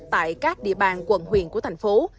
tại các địa bàn quận huyền của thành phố